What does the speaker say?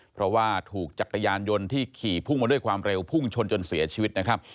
เพราะว่าถูกจักรยานยนต์ที่ขี่พุ่งมาด้วยความเร็วพุ่งชนจนเสียชีวิตนะครับ